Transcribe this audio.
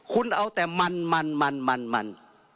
คุณเอาแต่มันมันมันมัน